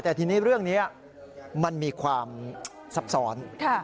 แต่ทีนี้เรื่องนี้มันมีความซับซ้อน